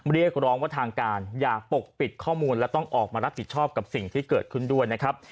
เรียกร้องว่าทางการอย่าปกปิดข้อมูลและต้องออกมารับผิดชอบกับสิ่งที่เกิดขึ้นด้วยนะครับ